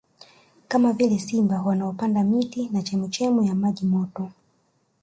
Kama vile simba wanaopanda miti na chemuchemu ya maji moto